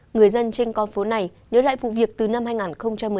người dân trên con phố này nhớ lại vụ việc từ năm hai nghìn một mươi